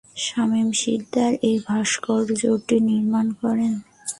শামীম শিকদার এই ভাস্কর্যটি নির্মাণ করেন।